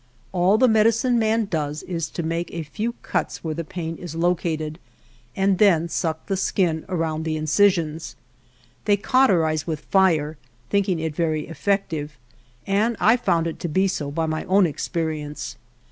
All the medicine man does is to make a few cuts where the pain is located and then suck the 69 THE JOURNEY OF skin around the incisions. They cauterize with fire, thinking it very effective, and I found it to be so by my own experience.